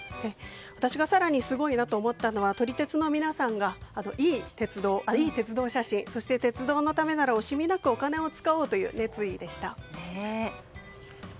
私が更にすごいなと思ったのが撮り鉄の皆さんがいい鉄道写真そして鉄道のためなら惜しみなくお金を使おうという熱意でした。